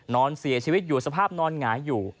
นอนเสียชีวิตอยู่สภาพนอนหงายอยู่